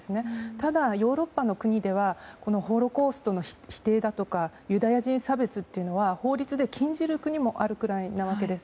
ただヨーロッパの国ではホロコーストの否定だとかユダヤ人差別というのは法律で禁じる国があるくらいなわけです。